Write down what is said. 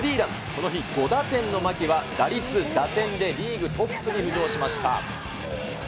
この日、５打点の牧は、打率、打点でリーグトップに浮上しました。